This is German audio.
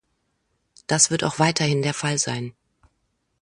Das wird auch weiterhin der Fall sein.